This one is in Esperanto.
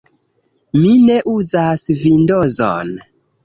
Mi ne uzas Vindozon.